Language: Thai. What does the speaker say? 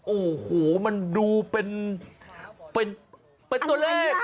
โอ้โหมันดูเป็นตัวเลข